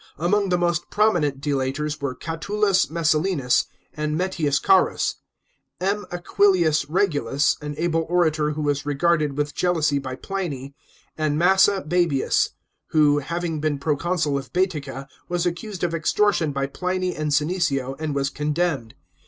Among the most prominent delators were Catullus Messalinus and Metius Cams; M. Aquilius Regulus,| an able orator who was regarded with jealousy by Pliny ; and Massa Bsebius, who, having been proconsul of Bsetica, was accused of extortion by Pliny and Senecio, and was condemned.